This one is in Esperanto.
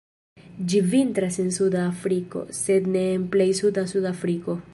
Ĝi vintras en Suda Afriko, sed ne en plej suda Sudafriko.